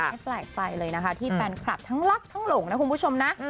ไม่แปลกใจเลยนะคะที่แฟนคลับทั้งรักทั้งหลงนะคุณผู้ชมนะ